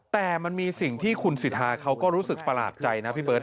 แต่มันมีสิ่งที่คุณสิทธาเขาก็รู้สึกประหลาดใจนะพี่เบิร์